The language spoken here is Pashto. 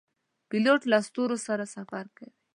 پیلوټ له ستورو سره سفر کوي.